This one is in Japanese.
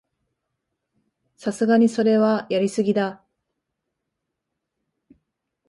さすがにそれはやりすぎだ